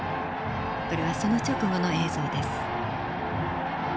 これはその直後の映像です。